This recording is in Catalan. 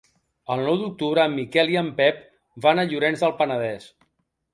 El nou d'octubre en Miquel i en Pep van a Llorenç del Penedès.